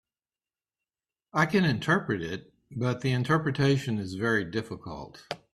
I can interpret it, but the interpretation is very difficult.